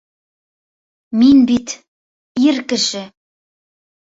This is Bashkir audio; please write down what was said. Мин бит... ир кеше!